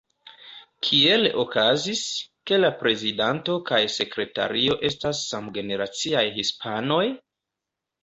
Kiel okazis, ke la prezidanto kaj sekretario estas samgeneraciaj hispanoj?